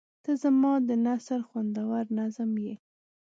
• ته زما د نثر خوندور نظم یې.